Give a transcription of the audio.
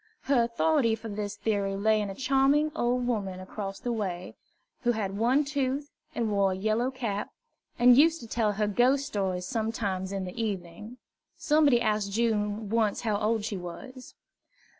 Her authority for this theory lay in a charmig old woman across the way, who had one tooth, and wore a yellow cap, and used to tell her ghost stories sometimes in the evening. Somebody asked June once how old she was.